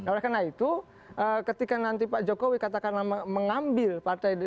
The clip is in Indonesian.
oleh karena itu ketika nanti pak jokowi katakanlah mengambil partai